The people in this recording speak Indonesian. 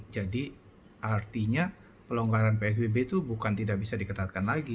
jadi artinya pelonggaran psbb itu bukan tidak bisa diketatkan lagi